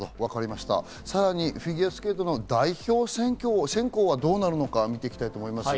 さらにフィギュアスケートの代表選考はどうなるのか、見ていきましょう。